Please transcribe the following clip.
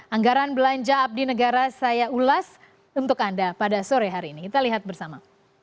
anggaran belanja abdi negara saya ulas untuk anda pada sore hari ini kita lihat bersama